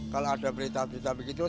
kalau ada berita berita begitu